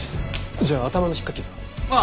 じゃあ頭の引っかき傷は？